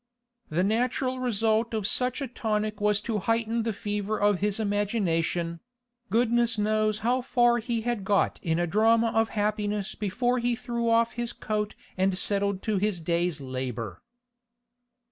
The natural result of such a tonic was to heighten the fever of his imagination; goodness knows how far he had got in a drama of happiness before he threw off his coat and settled to his day's labour.